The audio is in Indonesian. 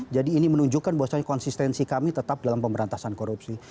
jadi ini menunjukkan bahwasannya konsistensi kami tetap dalam pemberantasan korupsi